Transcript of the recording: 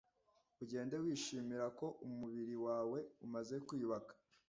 ugende wishimira ko umubiri wawe umaze kwiyubaka